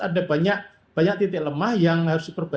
ada banyak titik lemah yang harus diperbai